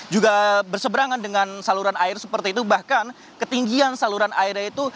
juga berseberangan dengan saluran air seperti itu bahkan ketinggian saluran airnya itu